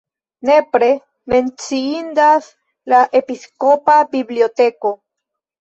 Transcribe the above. Nepre menciindas la episkopa biblioteko.